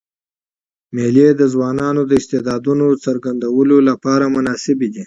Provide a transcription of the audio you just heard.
مېلې د ځوانانو د استعدادونو څرګندولو له پاره مناسبي دي.